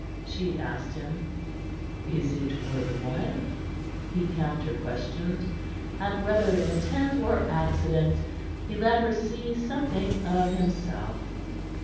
she asked him. "Is it worth while?" he counter questioned, and, whether intent or accident, he let her see something of himself.